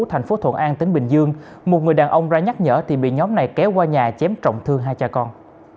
thành phố thuận an tỉnh bình dương một người đàn ông ra nhắc nhở thì bị nhóm này kéo qua nhà chém trọng thương hai cha con